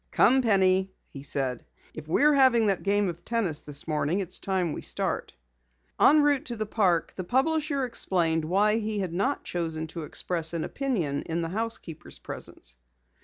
"Come, Penny," he said. "If we're having that game of tennis this morning, it's time we start." En route to the park, the publisher explained why he had not chosen to express an opinion in the housekeeper's presence.